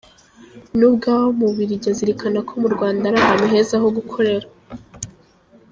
Nubwo aba mu Bubiligi azirikana ko mu Rwanda ari ahantu heza ho gukorera.